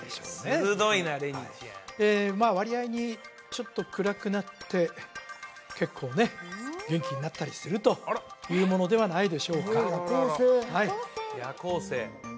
鋭いなれにちゃんまあ割合にちょっと暗くなって結構ね元気になったりするというものではないでしょうか夜行性夜行性